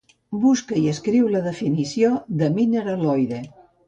Busca i escriu la definició de mineraloide.